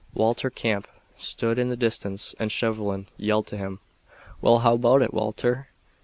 Walter Camp stood in the distance and Shevlin yelled to him: "Well, how about it, Walter?"